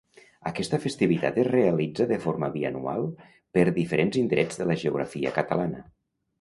Aquesta festivitat es realitza de forma bianual per diferents indrets de la geografia catalana.